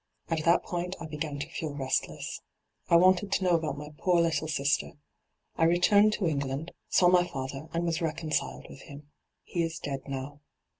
At that point I began to feel restless. I wanted to know about my poor little sister. I returned to England, saw my father, and was reconciled witii him. He is dead now.